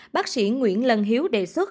bác sĩ nguyễn lân hiếu đề xuất